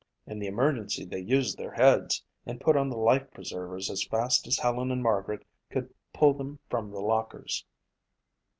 In the emergency they used their heads and put on the life preservers as fast as Helen and Margaret could pull them from the lockers.